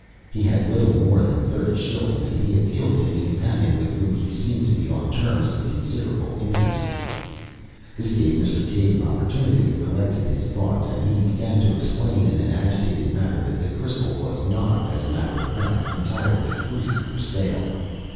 He had little more than thirty shillings, and he appealed to his companion, with whom he seemed to be on terms of considerable intimacy. This gave Mr. Cave an opportunity of collecting his thoughts, and he began to explain in an agitated manner that the crystal was not, as a matter of fact, entirely free for sale.